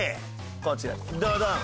こちらドドン！